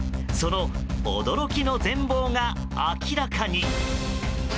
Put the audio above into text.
その驚きの全貌が明らかに。